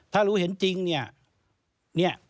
ถ้ารู้เห็นจริงเนี่ย